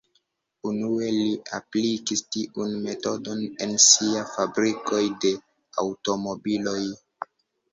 Unue li aplikis tiun metodon en sia fabrikoj de aŭtomobiloj.